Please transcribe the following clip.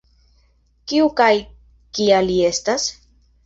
Kiu kaj kia li estas?